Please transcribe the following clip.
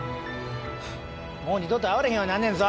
もう二度と会われへんようになんねんぞ。